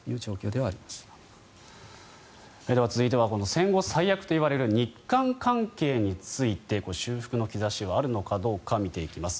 では、続いては戦後最悪といわれる日韓関係について修復の兆しはあるのかどうか見ていきます。